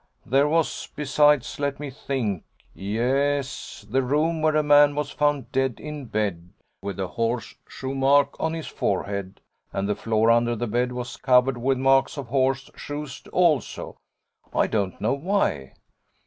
There was besides, let me think Yes! the room where a man was found dead in bed with a horseshoe mark on his forehead, and the floor under the bed was covered with marks of horseshoes also; I don't know why.